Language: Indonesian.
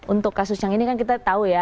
untuk kasus yang ini kan kita tahu ya